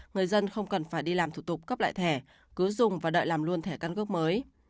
người dân không cần phải đi làm thủ tục cấp lại thẻ cứ dùng và đợi làm luôn thẻ căn cước mới